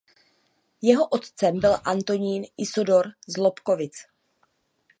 Jeho otcem byl Antonín Isidor z Lobkovic.